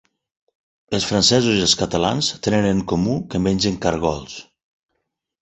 Els francesos i els catalans tenen en comú que mengen cargols.